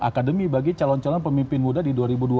akademi bagi calon calon pemimpin muda di dua ribu dua puluh